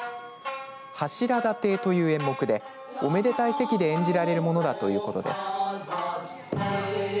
柱立てという演目でおめでたい席で演じられるものだということです。